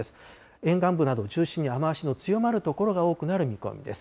沿岸部などを中心に雨足の強まる所が多くなる見込みです。